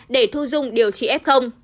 để thu dung điều trị f